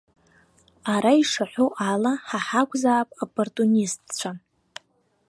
Ара ишаҳәо ала ҳа ҳакәзаап аппортунистцәа.